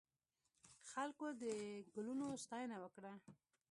خلکو د ګلونو ستاینه وکړه.